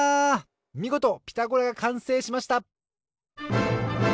みごと「ピタゴラ」がかんせいしました！